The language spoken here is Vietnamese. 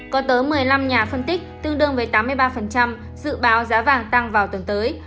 có tới một mươi năm nhà phân tích tương đương với tám mươi ba dự báo giá vàng tăng vào tuần tới